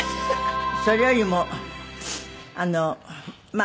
それよりもあのまあ